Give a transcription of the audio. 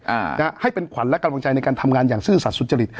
อ่านะฮะให้เป็นขวัญและกำลังใจในการทำงานอย่างซื่อสัตว์สุจริต